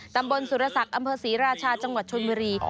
ตำบลสุรศักดิ์อำเภอศรีราชาจังหวัดชนบุรี